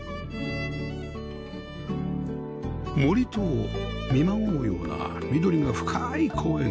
森と見まごうような緑が深い公園